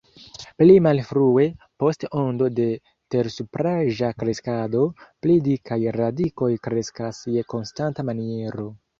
Pli malfrue, post ondo de tersupraĵa kreskado, pli dikaj radikoj kreskas je konstanta maniero.